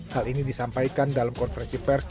hal ini disampaikan dalam konferensi pers